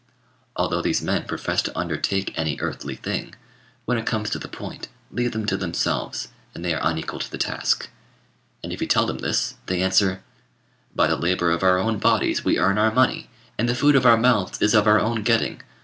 Although these men profess to undertake any earthly thing, when it comes to the point, leave them to themselves, and they are unequal to the task; and if you tell them this, they answer "By the labour of our own bodies we earn our money; and the food of our mouths is of our own getting.